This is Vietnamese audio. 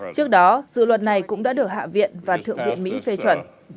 trước đó dự luật này cũng đã được hạ viện và thượng viện mỹ phê chuẩn